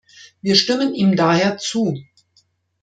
Wir stimmen ihm daher zu.